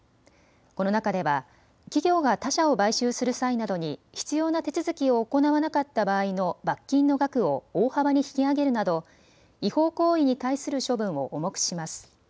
この中では企業が他社を買収する際などに必要な手続きを行わなかった場合の罰金の額を大幅に引き上げるなど違法行為に対する処分を重くします。